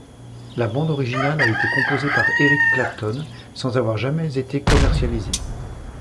La bande originale a été composée par Eric Clapton, sans avoir jamais été commercialisée.